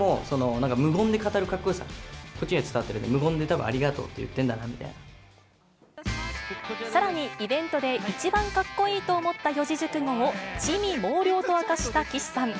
、なんか無言で語るかっこよさ、こっちには伝わってるんで、無言でたぶんありがとうって言っさらに、イベントで一番かっこいいと思った四字熟語を魑魅魍魎と明かした岸さん。